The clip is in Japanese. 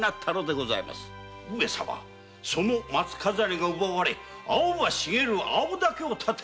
その松飾りが奪われ青葉の茂る青竹を立てるとは！